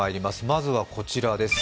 まずはこちらです。